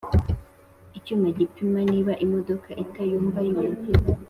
Icyuma gipima niba imodoka itayumbayumba